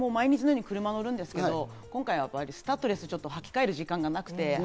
私も毎日のように車に乗るんですが、今回はスタッドレスに履きかえる時間がなくて。